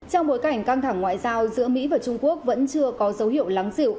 trong bối cảnh căng thẳng ngoại giao giữa mỹ và trung quốc vẫn chưa có dấu hiệu lắng dịu